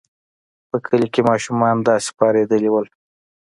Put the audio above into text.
په کلي کې ماشومان داسې پارېدلي وو.